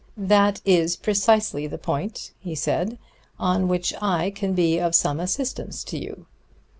"That is precisely the point," he said, "on which I can be of some assistance to you."